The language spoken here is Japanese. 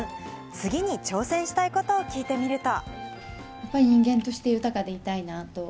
次に挑戦したいことを聞いてみると。